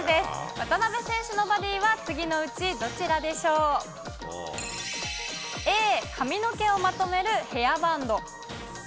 渡邉選手のバディは次のうち、Ａ、髪の毛をまとめるヘアバンド。